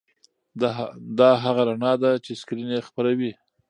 دا هغه رڼا ده چې سکرین یې خپروي.